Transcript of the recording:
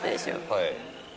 はい。